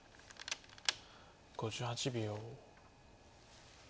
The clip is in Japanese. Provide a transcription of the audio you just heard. ５８秒。